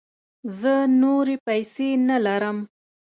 زه نوری پیسې نه لرم